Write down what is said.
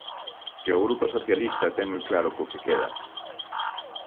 Que o Grupo Socialista ten moi claro co que queda.